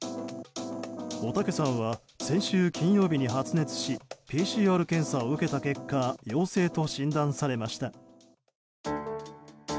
おたけさんは先週金曜日に発熱しＰＣＲ検査を受けた結果陽性と診断されました。